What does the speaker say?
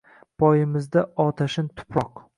Poyimizda otashin tuprok